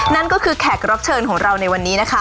นั่นก็คือแขกรับเชิญของเราในวันนี้นะคะ